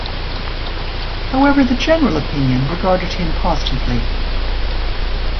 However the general opinion regarded him positively.